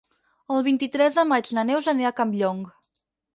El vint-i-tres de maig na Neus anirà a Campllong.